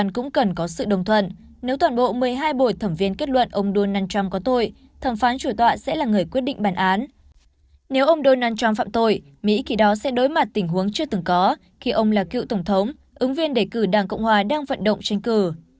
nếu ông donald trump phạm tội mỹ kỳ đó sẽ đối mặt tình huống chưa từng có khi ông là cựu tổng thống ứng viên đề cử đảng cộng hòa đang vận động tranh cử